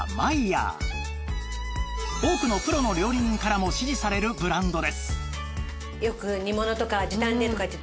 多くのプロの料理人からも支持されるブランドです